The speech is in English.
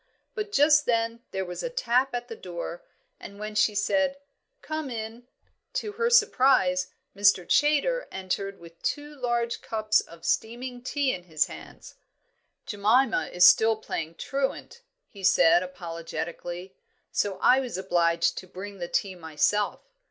But just then there was a tap at the door, and when she said, "Come in," to her surprise, Mr. Chaytor entered with two large cups of steaming tea in his hands. "Jemima is still playing truant," he said, apologetically, "so I was obliged to bring the tea myself."